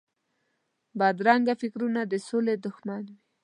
بدرنګه فکرونه د سولې دښمن وي